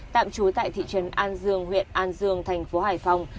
tạm trú tại thị trấn an dương huyện an dương thành phố hải phòng